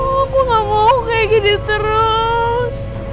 aku gak mau kayak gini terus